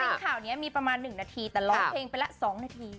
ข่าวนี้มีประมาณ๑นาทีแต่ร้องเพลงไปละ๒นาที